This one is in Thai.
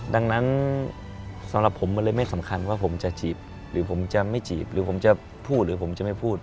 ดังนั้นสำหรับผมมันเลยไม่สำคัญว่าผมจะจีบหรือผมจะไม่จีบหรือผมจะพูดหรือผมจะไม่พูด